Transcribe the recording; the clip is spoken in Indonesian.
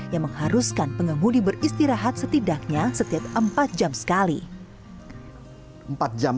dua ribu sembilan yang mengharuskan pengemudi beristirahat setidaknya setiap empat jam sekali empat jam